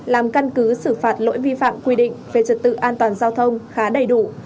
làm căn cứ xử phạt lỗi vi phạm quy định về trật tự an toàn giao thông khá đầy đủ